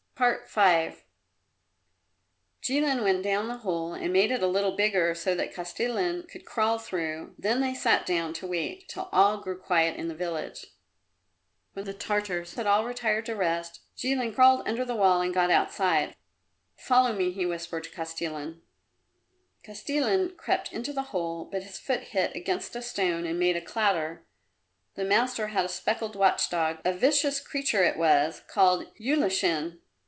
V Jilin went down the hole and made it a little bigger so that Kostilin could crawl through, then they sat down to wait till all grew quiet in the village. When the Tartars had all retired to rest Jilin crawled under the wall and got outside. "Follow me," he whispered to Kostilin. Kostilin crept into the hole, but his foot hit against a stone and made a clatter. The master had a speckled watch dog a vicious creature it was, called Ulashin.